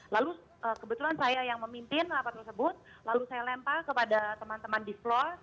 lalu kebetulan saya yang memimpin rapat tersebut lalu saya lempar kepada teman teman di flow